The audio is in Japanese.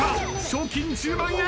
賞金１０万円。